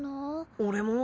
俺も。